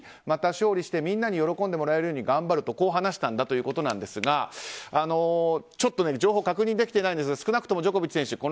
また勝利して、みんなに喜んでもらえるように頑張るとこう話したんだということですがちょっと情報確認できてないんですが少なくともジョコビッチ選手